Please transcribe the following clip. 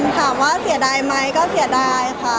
ถามว่าเสียดายไหมก็เสียดายค่ะ